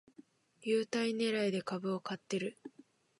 優待ねらいで株を買ってる